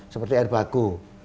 seperti air baku